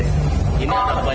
ini harusnya tidak seperti ini